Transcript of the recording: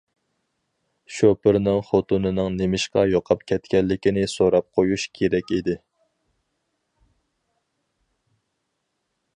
شوپۇرنىڭ خوتۇنىنىڭ نېمىشقا يوقاپ كەتكەنلىكىنى سوراپ قويۇش كېرەك ئىدى.